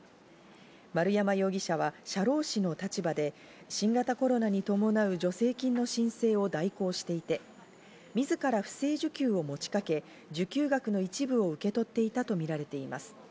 丸山容疑者は社労士の立場で新型コロナに伴う助成金の申請を代行していて、自ら不正受給を持ちかけ、受給額の一部を受け取っていたとみられています。